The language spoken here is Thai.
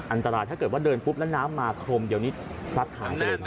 อันตรายถ้าเกิดว่าเดินปุ๊บแล้วน้ำมาโครมเดี๋ยวนี้ซัดหายไปเลยนะ